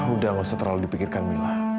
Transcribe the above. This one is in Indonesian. udah gak usah terlalu dipikirkan mila